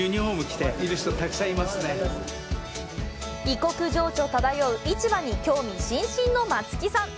異国情緒漂う市場に興味津々の松木さん！